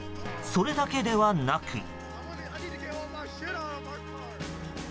それだけではなく。